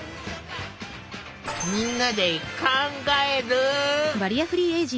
みんなで考える。